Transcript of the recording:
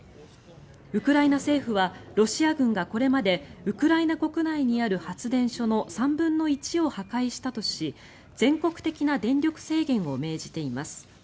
ウクライナ政府はロシア軍がこれまでウクライナ国内にある発電所の３分の１を破壊したとし全国的な電力制限を命じています。